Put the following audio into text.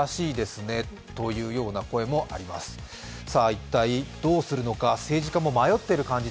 一体どうするのか、政治家も迷っている感じ